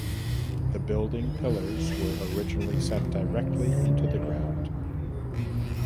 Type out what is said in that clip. The building pillars were originally set directly into the ground.